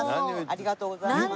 ありがとうございます。